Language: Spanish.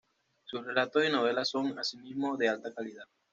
Sus relatos y novelas son asimismo de alta calidad.